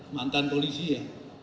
mantan polisi ya